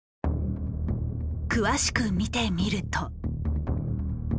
詳しく見てみると。